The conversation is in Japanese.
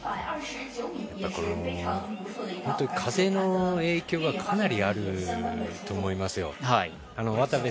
風の影響がかなりあると思います。